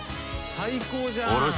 最高じゃん。